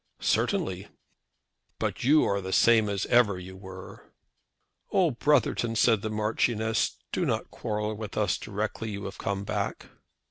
"Certainly." "But you are the same as ever you were." "Oh, Brotherton," said the Marchioness, "do not quarrel with us directly you have come back."